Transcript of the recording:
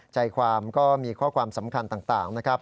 ใจความก็มีข้อความสำคัญต่างนะครับ